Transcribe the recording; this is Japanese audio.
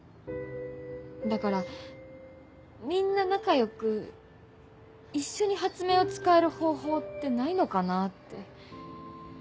だからみんな仲良く一緒に発明を使える方法ってないのかなぁって。